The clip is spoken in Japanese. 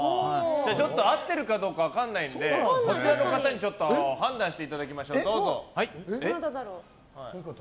ちょっと合ってるかどうか分からないのでこちらの方に判断していただきましょう。